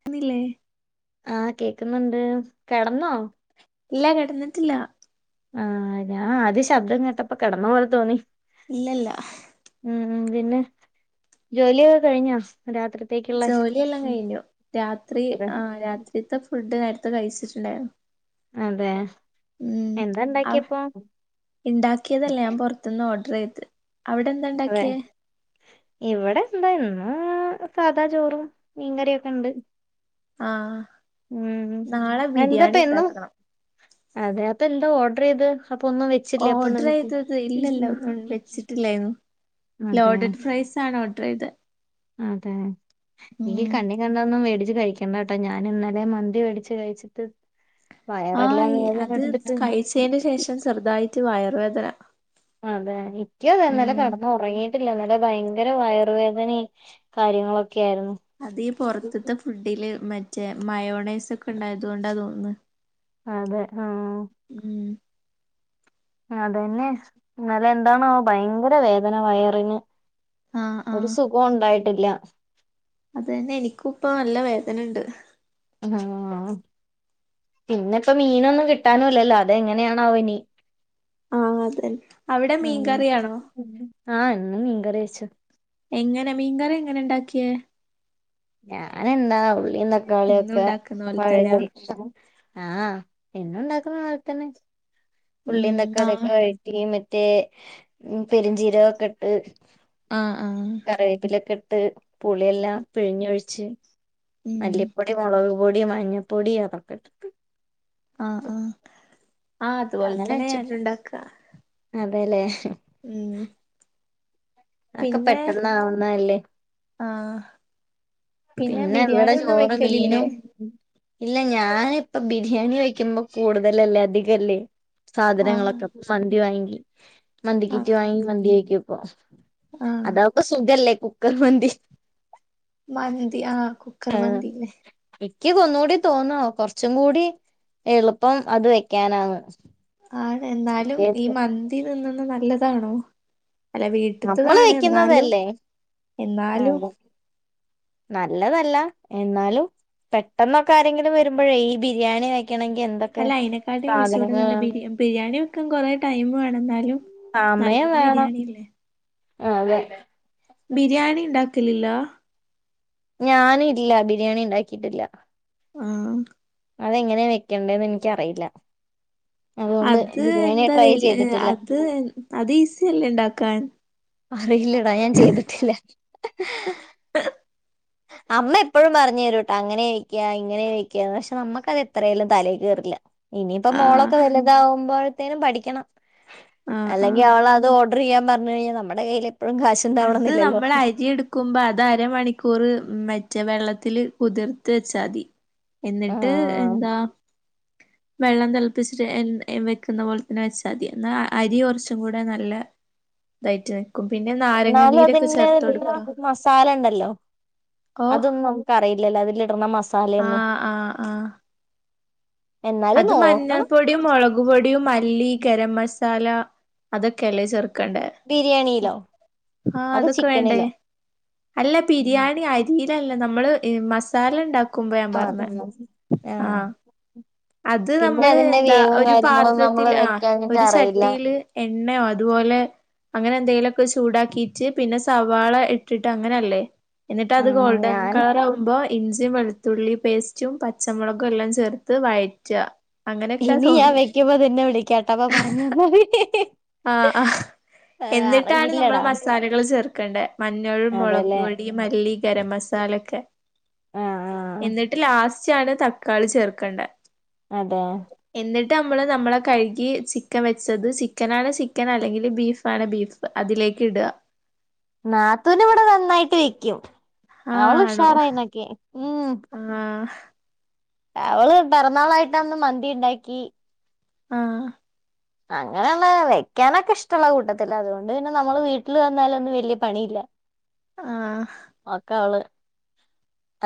ക്ക്ന്നില്ലേ ആഹ് കേക്കുന്നുണ്ട് കെടന്നോ ഇല്ല കെടന്നിട്ടില്ല ആഹ് ഞാആദ്യ ശബ്ദംകേട്ടപ്പ കെടന്ന പോലതോന്നി ഇല്ലല്ല ഹ് ഉം പിന്നെ ജോലിയൊകെ കഴിഞ്ഞ ജോലിയെല്ലാം കഴിഞ്ഞു രാത്രി അതെ ആ രാത്രിത്തെ ഫുഡ് നേര ത്തെകഴിച്ചിട്ട്ണ്ടാർന്നു- അതെ ഉം എന്താ അവെ ഇണ്ടാക്കിയപ്പോ ഇണ്ടാക്കിയതല്ല ഞാൻ പൊറത്ത്ന്ന് ഓഡ്രെയ്‌ അതെ അവിടെന്താണ്ടാക്കിയേ ഇവിടെ എന്താ ഇന്ന് സാദാ ചോറും മീൻകറിയൊക്കെ ഇണ്ട് ആ ഉം നാളെ എന്താപ്പ ബിരിയാണി എന്നും ഉണ്ടാക്കണം അതെ അപ്പൊ എന്താ ഓർഡർ ചെയ്ത് അപ്പൊ ഒന്നും വെച്ചില്ലേ അപ്പൊ ഓഡർ നിങ്ങക്ക് ചെയ്തത് ഇല്ലല്ല വെച്ചിട്ടില്ലേര്ന്നു അതെ ലോഡഡ് ഫ്രൈസാണ് ഓർഡർ ചെയ്തേ അതെ ഈ കണ്ണീ കണ്ടതൊന്നും മേടിച്ച് കഴിക്കണ്ടാട്ടോ ഞാൻ ഇന്നലെ മന്തി മേടിച്ച് കഴിച്ചിട്ട് ആ വയറെല്ലാം വേദന അത് എടുത്തിട്ട് കഴിച്ചതിനു ശേഷം ചെറുതായി റ്റ് വയർവേദന അതെ ഇക്ക അതെ ഇന്നലെ കെടന്നൊറങ്ങി ല്ല ഇവിടെ ഭയങ്കര വയറുവേദനേം കാര്യങ്ങളൊ അതീ പൊറത്ത്ത്തെ ഫുഡില് മ ചെ മയോണൈസ് ഒക്കെണ്ടായതോണ്ടാ തോന്ന്ണ് അതെ ഉം അതെന്നെ ഇന്നലെ എന്താണോ ഭയങ്കര വേദന വയറിന് ആഹ് ഒരു സുഖോ ണ്ടായിട്ടില്ല അതെന്നെ എനിക്കും ഇപ്പ നല്ല വേദനണ്ട് ആ പിന്നെ ഇപ്പോ മീൻ ഒന്നും കിട്ടാനുംല്ലല്ലോ അതെങ്ങനെയാണാവോ ഇനി ആ അതെ അവിടെ മീൻകറി ആണോ ആ ഇന്നും മീൻ കറി വെച്ചു എങ്ങനെ മീൻകറി എങ്ങനെ ഉണ്ടാക്കിയെ ഞാനെന്താ ഉള്ള ള്ളീം എന്നും തക്കാളിയൊക്കെ ഉണ്ടാക്കുന്ന പോലെ തന്നെയാ [unintelligible] അതുതന്നെ ഉള്ളീം ഉം ആഹ് തക്കാളൊക്കെ [unintelligible] മറ്റേ പെരിഞ്ജീരകൊക്കെ ഇട്ട് ആ ആ ട്ട് പുളിയെല്ലാം പിഴിഞ്ഞൊഴിച്ച് ഉം മല്ലിപ്പൊടി മൊളക് പൊടി മഞ്ഞ പൊടി അതൊക്കെ ഇട്ടിട്ട് ആ ആ ആ അതുപോലെ തന്നെ ഞാനുണ്ടാക്ക പോല്ലേ ഉം അക്കെ പിന്നെ പെട്ടന്ന ആവുന്നല്ലോ ആഹ് പിന്നെ ബിരിയാണി എവിടെ ഒന്നും ചോറ് വെക്കലില്ലേ മീനും ഇല്ല ഞാനിപ്പ ബിരിയാണി വയ്ക്കുമ്പോ കൂടുതലല്ലേ അധികല്ലേ ആഹ് സാധനങ്ങളൊക്കെ മന്തി അണക്കിൽ മന്തി കീറ്റി ആഹ് വാങ്ങി മന്തി വെക്കുപ്പോ ആഹ് അതക്കെ സ്‌ ഇതല്ലേ കുക്കർ മന്ദി മന്തി ആ കുക്കർ മന്തില്ലേ എനിക്ക് കൊന്നുകൂടി തോന്നോ കൊറച്ചും കൂടി എളുപ്പം അത് വെക്കാനാണ് ആണ് എന്നാലും ഈ മറ്റേത് മന്തി തീനിന്നെ നല്ലതാണോ അല്ല നമ്മള് വീട്ടത്തതാണ് എന്നാലും വെക്കുന്നതല്ലേ എന്നാലും അത് നല്ലതല്ല എന്നാലും പെട്ടെന്നൊക്കെ ആരെങ്കിലും വരുമ്പോഴേ ഈ ബിരിയാണി വേ അല്ല അതിനെക്കാട്ടിലും കുറച്ചുടിനല്ലേ വേണം ബിരി ബിരിയാണി ക്ക് കുറേ ടൈം വേണം ആനാലും സമയം നല്ലത് വേണം ബിരിയാണില്ലേ അതെ ബിരിയാണി ഉണ്ട ആക്കലില്ല ഞാന് ഇല്ല ബിരിയാണി ഉണ്ടാക്കിട്ടില്ല ആ അതെങ്ങനെയാ വെക്കണ്ടന്ന് എനിക്കറിയില്ല അതുകൊണ്ട് അത് ബിരിയാണി എന്താ വേ ട്രൈ ല്യ ചെയ്തിട്ടില്ല അത് അത് ഈസിയല്ലേ ഉണ്ടാക്കാൻ അറിയില്ലടാ ഞാൻ ചെയിതിടില്ല അമ്മ എപ്പോഴും പറഞരൂട്ടാ അങ്ങനെ വേഴിക്കുക ഇങ്ങനെ വെക്കുക പക്ഷെ നമ്മുക്കത് എത്രേലും തല കെറില്ല ഇനിയിപ്പോ ആഹ് മോളൊക്കെ വലുതാകുമ്പോഴത്തേനും പഠിക്കണം ആഹ് അല്ലെങ്കിൽ ആഹ് അവളത് അത് ഓഡർ ചെയ്യാൻ പറഞ്ഞു കഴിഞ്ഞൽ നമ്മടെ കയ്യിൽ എപ്പോഴും അത് കാശുണ്ടാവണംന്നില്ലല്ലോ നമ്മൾ അരി എടുക്കുമ്പോ അത് അരമണിക്കൂറ് മറ്റെ വെള്ളത്തില്ൽ കുതിർത്ത് വെച്ചാതി എന്നിട്ട് ആഹ് എന്താ വെള്ളം തിളപ്പിച്ചിട്ട് എ എ വെക്കുന്ന പോലെ തന്നെ വച്ചാതി എന്നാ അരി കുറച്ചും കൂടെ നല്ല ഇതായിട്ട് നിൽക്കും പിന്നെ നാരങ്ങ എന്നാലും നീരൊക്കെ അതിലെ ചേർത്ത് കൊടുക്കുക മസാല ഉണ്ടല്ലോ അതൊന്നും നമുക്ക് അറിയില്ലല്ലോ അതില് ഇടന്ന മസാല ആ ആഹ് ആ എന്നാലും അത് നോക്കണം മഞ്ഞൾപ്പൊടിയും മുളക് പൊടിയും മല്ലി ഗെരമസാല മസാല അതൊക്കെല്ല ചെർക്ക കണ്ടേ ബിരിയാണിയിലോ ആ അത് അതൊക്കെ വേണ്ടേ ചിക്കനിലോ അല്ല ബിരിയാണി അരിടെ നമ്മള് മസാല ഉണ്ടാക്കും ആ തന്നെ ആ അത് നമ്മള് എന്താ ഒരു നമ്മള് പാത്രത്തില് ആ വെക്കാഞ്ഞിട്ട് ഒരു അറിയില്ല ചട്ടിയില് എണ്ണയോ അതുപോലെ അങ്ങനെ എന്തേലുമൊക്കെ ചൂടാക്കിട്ട് പിന്നെ സവാള ഇട്ടിട്ട് അങ്ങനല്ലേ എന്നിട്ട് അത് ആഹ് ഗോൾഡൻ ഞാൻ കളർ ആകുമ്പോ ഇഞ്ചിയിം വെളുത്തുള്ളി പേസ്റ്റും പച്ചമുളകും എല്ലാം ചേർത്ത് വയറ്റ് റ്റ്അ ഇനി ഞാൻ വെയ്ക്കുമ്പ നിന്നെ വിളിക്കാട്ട അപ്പൊ പറഞ് തന്നാമതി ആ ആ എന്നിട്ടാണ് നമ്മള് മസാലകൾ ചേർക്കേണ്ടേ മഞ്ഞൾ, മുളക് അതെല്ലേ പൊടി, മല്ലി, ഗരം മസാല് എക്കെ ആഹ് ആഹ് എന്നിട്ട് ലാസ്റ്റ് ച്ചാണ് തക്കാളി ചേർക്കണ്ടേ അതെ ന്നിട്ട് നമ്മള് നമ്മള് കഴുകി ചിക്കൻ വെച്ചത് ചിക്ക ചിക്കാനാണെ ചിക്കൻ അല്ലെങ്കിൽ ബീഫ് ആണെ ബീഫ് അതിലേക്ക് ഇടുക നാത്തൂന് ഇവിടെ നന്നായിട്ട് വെയ്ക്കും ആഹ് അവള് ആണോ ഉഷാറാ ഇതിനൊക്കെ ഉം ആഹ് അവള് പിറന്നാളായിട്ട്ന്ന് മന്തി ഉണ്ടാക്കി ആ അങ്ങനെയുള്ള വെയ്ക്കാനൊക്കെ ഇഷ്ടമുള്ള കൂട്ടത്തിലാ അതുകൊണ്ട് പിന്നെ നമ്മള് വീട്ടിൽ വന്നാലൊന്നും വലിയ പണിയില്ല ആഹ് ഒക്ക അവള്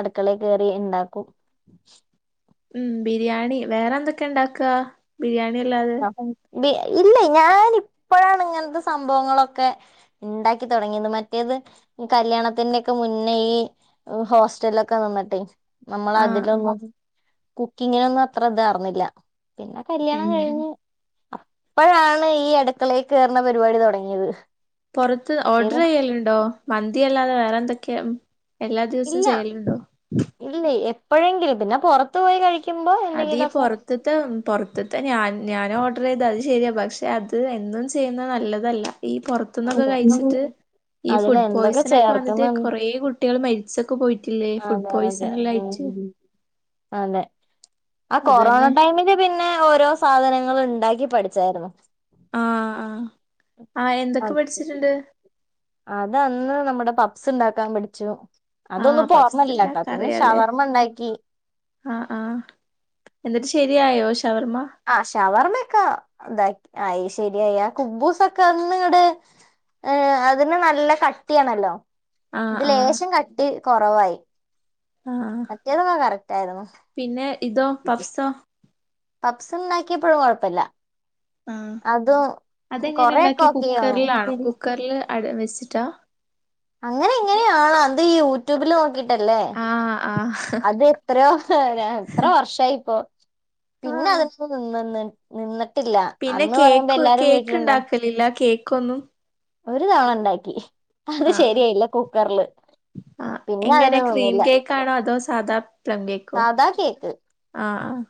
അടുക്കളേ കയറി ഇണ്ടാക്കും ഉം ബിരിയാണി വേറെ എന്തൊക്കെ ആ ഉണ്ടാക്ക ബിരിയാണി ണി അല്ലാതെ ബി ഇല്ല ഞാൻ ഇപ്പോഴാണ് ഇങ്ങനത്തെ സംഭവങ്ങളൊക്കെ ഇണ്ടാക്കി തുടങ്ങിയത് മറ്റേത് കല്യാണത്തിന്റെ യൊക്കെ മുന്നേ ഈ ഹോസ്റ്റലൊക്കെ നിന്നിട്ടെ നമ്മള് ആഹ് ആഹ് അതിലൊന്നും കുക്കിങ്ങിനൊന്നും അത്ര ഇതാർന്നില്ല പിന്നെ കല്യാണം ഉം കഴിഞ്ഞു അപ്പൊഴാണ് ഈ അടുക്കളേ കേറുന്ന പരിപാടി തുടങ്ങിയത് പൊറത്ത് ഓർഡർ മറ്റേത് ചെയ്യലുണ്ടോ മന്തിയല്ലാതെ പിന്നെ വേറെ എന്തൊക്കെയവും എല്ലാ ദിവസവും ഇല്ല ചെയ്യലുണ്ടോ ഇല്ല എപ്പോഴെങ്കിലും പിന്നെ പുറത്ത് പോയി കഴിക്കും അതീ പൊറത്തുത്തെ പൊറത്തുത്തെ ഞൻ ഞാൻ ഓ ഓർഡർ ചെയ്ത് അത് ശരിയാ പക്ഷെ അത് എന്നും ചെയ്യുന്ന നല്ലതല്ല. ഈ പുറത്തുന്നൊക്കെ അതെ കഴിച്ചിട്ട് ഈ അതിൽ ഫുഡ് എന്തൊക്കെ പോയിസൺ ഒക്കെ ചേർക്കുന്ന വന്നിട്ട് കൊറെ കുട്ടികൾ മരിച്ചൊക്കെ പോയിട്ടില്ലേ ഫുഡ് അതെ അതെ പോയ്സണിലായിട്ട് ഉം അതെ ആ കൊറോണ ൈമ െ ഓരോ സാധനങ്ങളൾ ഉണ്ടാക്കി പഠിച്ചായിരുന്നു ആഹ ആഹ അതന്ന് നമ്മുടെ പപ്പ ഉണ്ടാക്കാൻ പഠിച്ചു ആഹ അതൊന്നും ഇപ്പോ പഫ്സ് ഓർമ്മയില്ലാട്ടാ ഉണ്ടാക്ക പിന്നെ അറിയല്ലേ ഷവർമ്മ ഉണ്ടാക്കി ആ ആഹ എ ശരിയോ ആഹ ഷവർമ്മൊക്കെ ഇത അ ശരിയയ കുബ്ബൂസ്ൊക്കെ ഒന്ന് ഇടെ ഏ അതിന് നല്ല കട്ടിയാണല്ലോ അത് ലേശം കട്ടി കൊറവായി ആഹ കറക്റ്റ് ആയിരുന്നു പിന്നെ ഇതോ പഫ്സോ പപ്പ്സ് ഉണ്ടാക്കിയപ്പോഴും കുഴപ്പില്ല ആ അതെങ്ങനെ കൊറെയൊക്കെ ഉണ്ടാക്കി ഓക്കെയാവും കുക്കറിലാണോ കുക്കറിൽ വെ ിച്ചിട്ടാ അങ്ങനെ എങ്ങനെയാണ അന്ത് ഈ ്യൂബ നോി ല്ലേ ആഹ് ആഹ് അത് എത്രയോ എത്ര വർഷായിപ്പോ പിന്നെ ആഹ് അത നിന്നന്ന് നിന്ന പിന്നെ കേക്ക് കേക്ക് ഉണ്ടാക്കലില്ല കേക്ക് കൊുന്നു ഒരു തവണ ഉണ്ടാക്കി അത് ആഹ് ശരിയായില്ല കുക്കറില് പിന്നെ അതിന ഒൊന്നില്ല സദബ ലക്കോ ആഹ ആഹ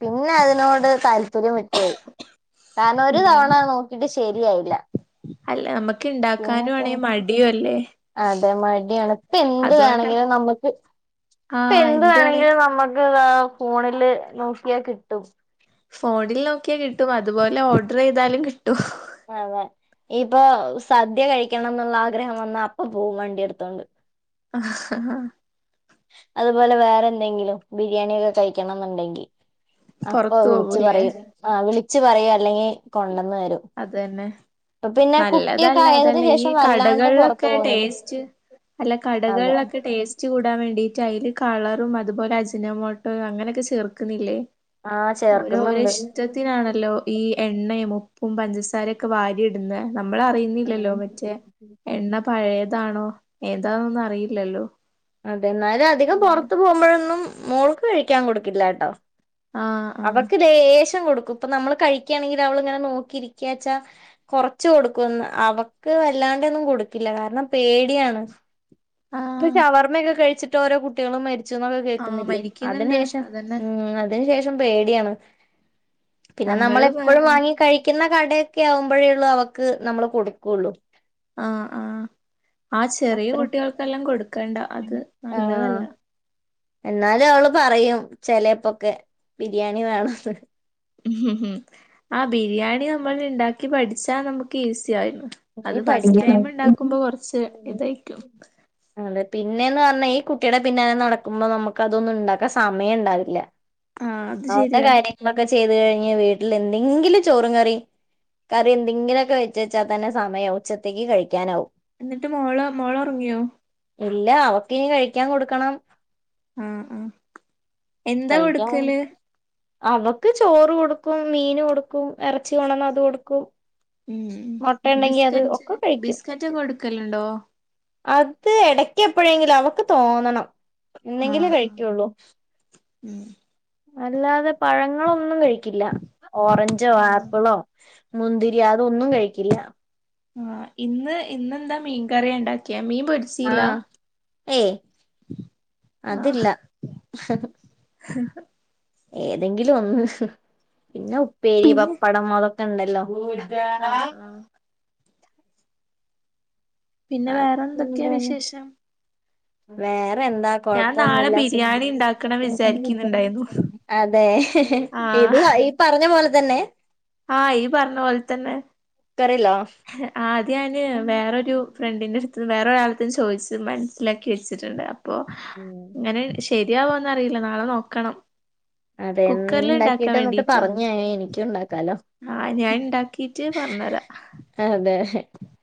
പിന്നെ അതിനോട് തല്പര്യം ഒത്തിരി വിട്ടുപയി കാരാനൊ ഒരു ഉം തവണ നോക്കിട്ട് ശരിയായില്ല അല്ല നമുക്ക് പിന്നക്കെ അതേ മടിയാണ് ഇപ്പ എന്ത് അതുകൊണ്ടാ വേണമെങ്കിലും നമ്മുക്ക് ഇപ്പ ആഹ് എന്ത് എന്തുവാണ് വേണെങ്കിലും നമ്മുക്ക് ഫോണില് നോക്കിയാൽ കിട്ടും ഫോണിൽ നോക്കിയ കിട്ടും അതുപോലെ ഓർഡർ ചെയ്താലും കിട്ടും അതെ ഇപ്പൊ സദ്യ കഴിക്കണം എന്നുള്ള ആഗ്രഹം വന്നാ അപ്പ പോവും വണ്ടി എടുത്തോണ്ട് ആഹ് ഹ അതുപോലെ വേറെ എന്തെങ്കിലും ബിരിയാണി ഒക്കെ കഴിക്കണം എന്നുണ്ടെങ്കിൽ അപ്പൊ പൊറത്തു വിളിച്ചു പോവൂല്ലേ പറയും ആ വിളിച്ചു പറയാ ല്ലെങ്കി കൊണ്ട അതന്നെ കുട്ടിയൊക്കെ നല്ലതല്ല ആയതിന് അതല്ല ഈ ശേഷം വല്ലാണ്ട് പുറത്തു കടകളിലൊക്കെ പോകുന്നില്ല ടേസ്റ്റ് അല്ല അതെ കടകളിലൊക്കെ ടേസ്റ്റ് കൂടാൻ വേണ്ടി റ്റയ്ല് കളറും അതുപോലെ അജ്നമോട്ടോ അങ്ങനൊക്കെ ചേർക്ക്ന്നില്ലേ ആഹ് ചേർക്ക്ന്ന്ണ്ട് ഈ എണ്ണയും മു പ്പും പഞ്ചസാരക്കെ വാരി ഇട്ന്നെ നമ്മളറിയുന്നില്ലല്ലോ ഉം മറ്റേ എണ്ണ പഴയത് താണോ ഏതാനൊന്നും അറിയില്ലല്ലോ അതെ എന്നാലും അധികം നമ്മള് പൊറത്ത് പോകുമ്പോഴൊന്നും മോൾക്ക് കഴിക്കാൻ കൊടുക്കില്ലാട്ടോ ആഹ് ആഹ് അവർക്ക് ലേശം കൊടുക് ക്കുപ്പ നമ്മള് കഴിക്കാണെങ്കിലവള്ങ്ങനെ നോക്കിരിക്ക്യാച്ചാ കൊറച്ച് കൊടുക്കുന്ന് അവക്ക് വല്ലാണ്ടെന്നും കൊടുക്കില്ല കാരണം പേടിയാണ്. ആഹ് ഷവർമ്മക്കെ കഴിച്ചിട്ട് ഓരോ കുട്ടികളും മരി ച്ചുന്നൊക്കെ ആഹ് കേക്ക്ന്നില്ലേ മരിക്കുന്നുണ്ട് അതിനേഷം അതന്നെ ഉം അതിനു ശേഷ് പേടിയാണ് പിന്നെ നമ്മള് വേ നമ്മളെപ്പൊഴും വാങ്ങി കഴിക്കുന്ന കടയൊക്കെ ആവുമ്പോഴേ ഉള്ളൂ അവക്ക് നമ്മള് കൊടുക്കുള്ളൂ. ആഹ് ആഹ് ആഹ് ചെറിയ അത്ര കുട്ടികൾക്കെല്ലാം കൊടു ക്കണ്ട അത് ആഹ് നല്ലതല്ല. എന്നാലും അവള് പറയും ചെലപ്പോൊക്കെ ബിരിയാണി വേണന്ന്. ഉം ആ ബിരിയാണി നമ്മൾ ഉണ്ടാക്കി പഠിച്ചാ നമുക്ക് ഈസി യിരുന്നു അത് ഇനി ഫസ്റ്റ് ടൈം പഠിക്കണം ഉണ്ടാക്കുമ്പോ കൊറച്ച് ഇതായിരിക്കും. പിന്നെയന്ന് പറഞ്ഞാ ഈ കുട്ടിയുടെ പിന്നാലെ നടക്കുമ്പോ നമുക്ക് അതൊന്നും ഉണ്ടാക്കാ സമയം ഉണ്ടാവില്ല. ആഹ് അത് അവടെ ശരിയാ കാര്യങ്ങളൊക്കെ ചെയ്ത് കഴി വീട്ടിൽ എന്തെങ്കിലും ചോറും കറി കറി എന്തെങ്കിലൊക്കെ വെച്ചച തന്നെ സമയം ഉച്ചത്തേക്ക് കഴിക്കാനാവും. എന്നിട്ട് മോള് മോള ഉറങ്ങിയോ? ഇല്ല അവക്കിനി കഴിക്കാൻ കൊടുക്കണം. ആഹ് ആഹ് എന്താ കഴിക്കാൻ കൊടുക്കല്? അവക്ക് ചോറ് കൊടുക്കും മീൻ കൊടുക്കും ഇറച്ചി കൊണ്ടന്ന അത് കൊടുക്കും. ഉം മുട്ട ഉണ്ടെങ്കി അത് ബിസ്കറ്റ് ഒക്കെ കഴിക്കും ബിസ്കറ്റ് കോടുക്കലുണ്ടോ അത് എടക്ക് എപ്പോഴെങ്കിലും അവക്ക് തോന്നണം എന്നെങ്കിലെ ആഹ് കഴിക്കുള്ളു ഉം അല്ലാതെ പഴങ്ങളോന്നും കഴിക്കില്ല ഓറഞ്ചോ ആപ്പിളോ മുന്തി രി അതോന്നും കഴിക്കില്ല കറിയ ഉണ്ടാക്കിയ മീൻ ആ പൊരിച്ചീല്ല ഏയ് അതില്ല ആഹ് [unintelligible] പിന്ന ഉപ്പെരി വപ്പടം മുള ണ്ടല്ലോ അ ആ [inaudible] പിന്നെ വെറെ എന്തക്കെയാ അതുകൊണ്ട്ന്നെ വിശേഷം വേറെ എന്താ ഞാൻ നാളെ കോഴപ്പോന്നുല്ല സു ബിരിയാണി ഇണ്ടാക്കണം വിചാരിക്കുന്നുണ്ടായിരുന്നു അതെ ഇത് ഈ പറഞ്ഞ പോലെ തന്നെ ആ ഈ പറഞ്ഞ പോല തന്നെ കുക്കറിലോ ആദ്യ ആദ്യം വെറോരു ഫ്രണ്ടിന്റെ അടുത്ത് വെറെരാളട്ത്തും ചോദിച്ച് മനസ്സിലാക്കി വെച്ചിട്ടുണ്ട് പോ ഉം ഇങ്ങെനെ ശരിയാവോന്ന അറിയില്ല നാളെ നോക്കണം അതെ നീ കുക്കറില് ഉണ്ടാക്കിട്ട് എന്ന്ട്ട് പറഞ്ഞ ത്താ എനിക്കും ഉണ്ടാക്കല്ലേ ആ ഞാൻ ഇണ്ടാക്കീട്ട് പറഞ്ഞരാ അതെ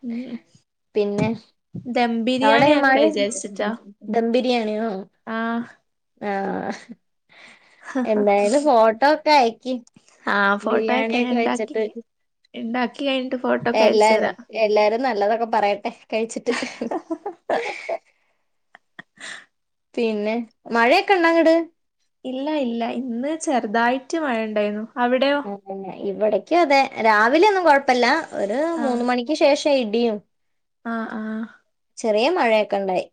ഉം പിന്നെ ദം അവിടെ ബിരിയാണി മഴ ആക്കാ വിചാരിച്ചിട്ടാ ദം ബിരിയാണിയോ ആഹ് ആ എന്തായാലും ഫോട്ടോ ഒക്കെ അയക്കി ആഹ് ബിരിയാണിഒക്കെ വെച്ചിട്ട് ഇണ്ടാകി എല്ലാരും എല്ലാരും നല്ലത ഒക്കെ പറയട്ടെ- കഴിച്ചിട്ട്- പിന്നെ മഴയൊക്കെ ഉണ്ടാങ്ങട്- ഇല്ല ഇല്ല ഇന്ന് ചെറുതായിട്ട് മഴ ഉണ്ടായിരുന്നു- ആ പിന്നെ ഇവിടെ- ക്കും അതെ രാവിലെയൊന്നും കോഴപ്പല്ല- ഒരു ആഹ് മൂന്ന് മണിക്ക് ശേഷം- ഇടിയും- ആഹ് ആഹ്- ചെറിയ മഴയൊക്കെ ഉണ്ടായി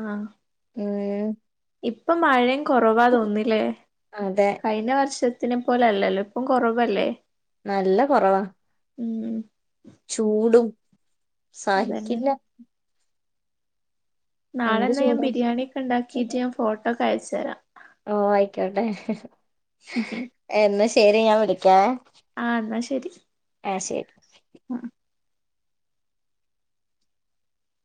ആഹ് ഏ- ഇപ്പൊ മഴേം- കൊറവാ തോന്നില്ലേ അതെ കഴിഞ്ഞ വർഷ ത്തിനെ പോല അല്ലല്ലോ ഇപ്പം കൊറവല്ലേ? നല്ല കൊറവാ- ഉം- ചൂടും- അതന്നെ സാഹിക്കില്ല നാളെന്നാ ഞാൻ ചൂടാ ബിരിയാണിക്കെണ്ടാക്കിട്ട് ഞാൻ ഫോട്ടോക്കെ അയച്ചു തരാം ശ എന്നാ ശ ശരി ഞാ വിളിക്കാവേ ആഹ്‌ എന്നാ ശരി ആഹ് ശരി ആഹ്